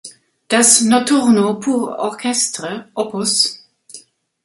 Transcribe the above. Das „Notturno pour Orchestre“ op.